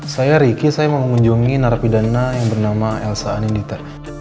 saya riki saya mengunjungi narapidana yang bernama elsa anindita